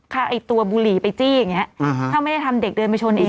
ถ้าไอ้ตัวบุหรี่ไปจี้อย่างนี้ถ้าไม่ได้ทำเด็กเดินไปชนเอง